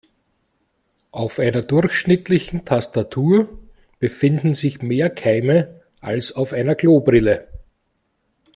Auf einer durchschnittlichen Tastatur befinden sich mehr Keime als auf einer Klobrille.